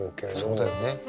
そうだよね。